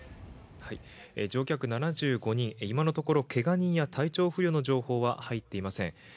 乗客７５人いまのところけが人や体調不良の情報は入っていません。